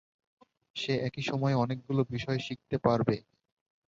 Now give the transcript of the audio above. সে একই সময়ে অনেকগুলো বিষয় শিখতে পারবে।